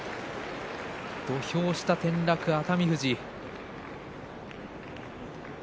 土俵下転落の熱海富士。